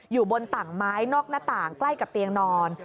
อยู่บนต่างไม้นอกหน้าต่างใกล้กับเตียงนอน